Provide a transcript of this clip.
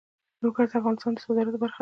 لوگر د افغانستان د صادراتو برخه ده.